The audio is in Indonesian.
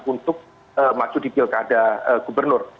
untuk maju di pilkada gubernur